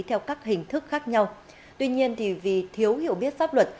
theo các hình thức khác nhau tuy nhiên vì thiếu hiểu biết pháp luật